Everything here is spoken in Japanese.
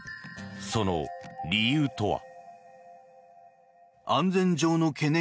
その理由とは。